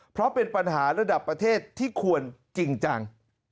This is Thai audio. เพราะเป็นปัญหาระดับประเทศที่ควรจริงจัง